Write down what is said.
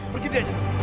pergi dari sini